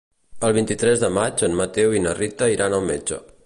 El vint-i-tres de maig en Mateu i na Rita iran al metge.